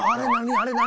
あれ何？